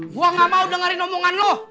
gue gak mau dengerin omongan lo